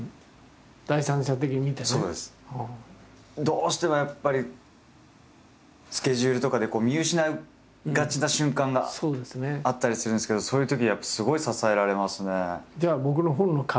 どうしてもやっぱりスケジュールとかで見失いがちな瞬間があったりするんですけどそういうときやっぱすごい支えられますね。